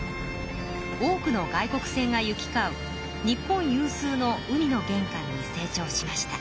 多くの外国船が行きかう日本有数の海のげんかんに成長しました。